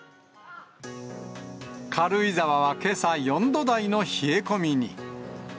軽井沢はけさ、４度台の冷え込みに。